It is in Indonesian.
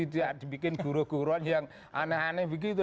dia bikin guru guru yang aneh aneh begitu